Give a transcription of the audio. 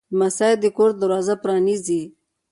لمسی د کور دروازه پرانیزي.